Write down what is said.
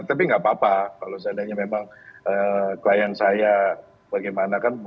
tapi nggak apa apa kalau seandainya memang klien saya bagaimana kan